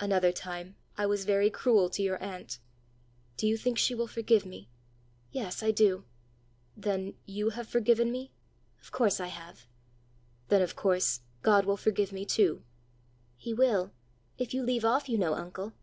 "Another time, I was very cruel to your aunt: do you think she will forgive me!" "Yes, I do." "Then you have forgiven me?" "Of course I have." "Then of course God will forgive me too!" "He will if you leave off, you know, uncle."